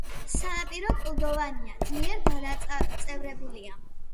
სანაპირო კლდოვანია, ძლიერ დანაწევრებული.